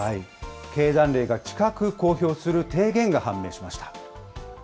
経団連が近く公表する提言が判明しました。